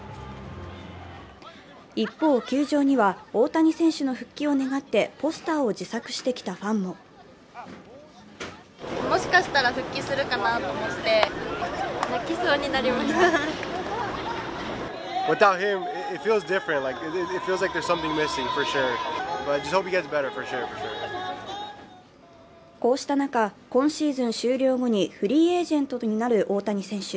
一方、球場には大谷選手の復帰を願ってポスターを自作してきたファンもこうした中、今シーズン終了後にフリーエージェントになる大谷選手。